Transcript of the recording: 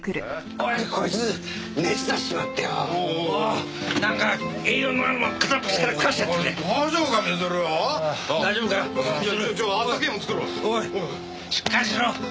おいしっかりしろ！